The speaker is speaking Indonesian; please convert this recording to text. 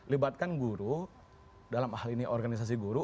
libatkan guru dalam hal ini organisasi guru